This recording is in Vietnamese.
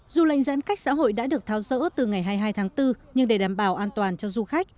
dù lành giãn cách xã hội đã được tháo rỡ từ ngày hai mươi hai tháng bốn nhưng để đảm bảo an toàn cho du khách